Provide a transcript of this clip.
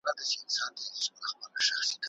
تاسو بايد د حق او باطل ترمنځ توپير وپېژني.